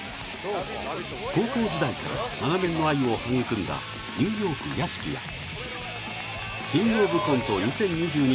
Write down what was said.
高校時代から長年の愛を育んだニューヨーク屋敷やキングオブコント２０２２